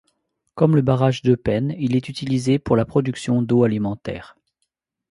Comme le barrage d'Eupen, il est utilisé pour la production d'eau alimentaire.